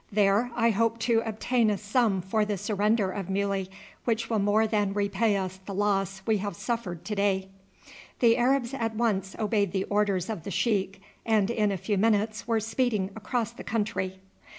There I hope to obtain a sum for the surrender of Muley, which will more than repay us the loss we have suffered to day." The Arabs at once obeyed the orders of the sheik and in a few minutes were speeding across the country.